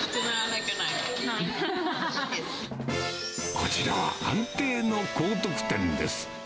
こちらは安定の高得点です。